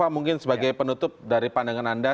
mungkin sebagai penutup dari pandangan anda